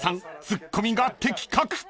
ツッコミが的確］